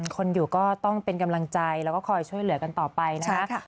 คนอยู่ก็ต้องเป็นกำลังใจแล้วก็คอยช่วยเหลือกันต่อไปนะคะ